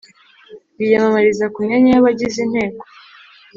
biyamamariza ku myanya y abagize Inteko